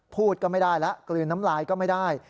พูดก็ไม่ได้แล้วกลืนน้ำลายก็ไม่ได้